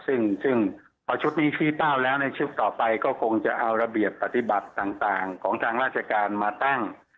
ซึ่งพอชุดนี้ชี้เป้าแล้วในชุดต่อไปก็คงจะเอาระเบียบปฏิบัติต่างของทางราชการมาตั้ง